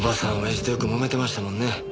親父とよくもめてましたもんね。